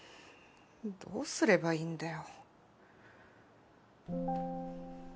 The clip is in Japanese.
どうすればいいんだよ。